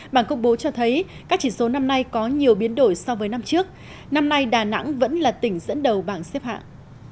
bảng công bố cho thấy các chỉ số năm nay có nhiều biến đổi so với năm trước năm nay đà nẵng vẫn là tỉnh dẫn đầu bảng xếp hạng